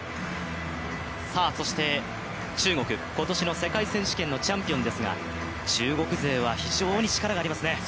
そして中国、今年の世界選手権のチャンピオンですが中国勢は非常に力ありますね。